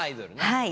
はい。